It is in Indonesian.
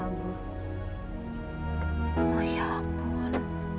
oh ya ampun